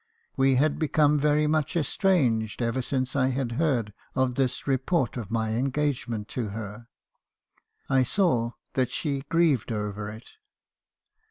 We had become very much estranged ever since I had heard of this report of my engagement to her. I saw that she grieved over it.